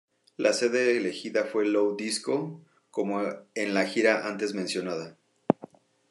La sede elegida fue Low Disco, como en la gira antes mencionada.